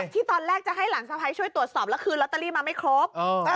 ที่ตอนแรกจะให้หลานสะพ้ายช่วยตรวจสอบแล้วคืนลอตเตอรี่มาไม่ครบ